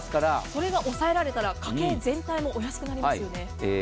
それが抑えられたら、家計全体が抑えられますよね。